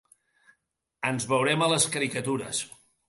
Ens veurem a les caricatures.